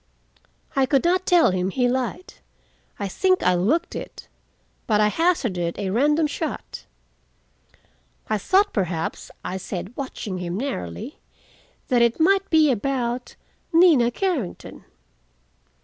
I could not tell him he lied. I think I looked it. But I hazarded a random shot. "I thought perhaps," I said, watching him narrowly, "that it might be about—Nina Carrington."